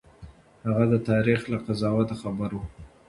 هغه د تاريخ له قضاوت خبر و.